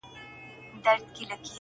هر گړى خــوشـــالـــه اوســـــــــــې~